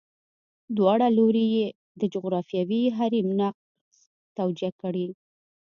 دواړه لوري یې د جغرافیوي حریم نقض توجیه کړي.